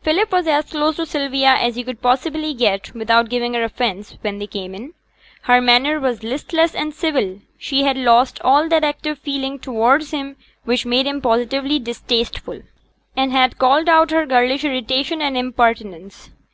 Philip was as close to Sylvia as he could possibly get without giving her offence, when they came in. Her manner was listless and civil; she had lost all that active feeling towards him which made him positively distasteful, and had called out her girlish irritation and impertinence.